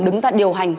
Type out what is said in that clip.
đứng ra điều hành